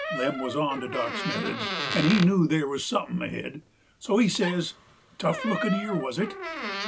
Lem wuz onto Dock's methods, 'nd he knew there wuz sumthin' ahead. So he says: "Tough lookin' ear, wuz it?"